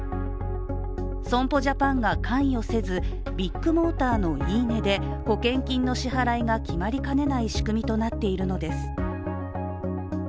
損保ジャパンが関与せず、ビッグモーターの言い値で保険金の支払いが決まりかねない仕組みとなっているのです。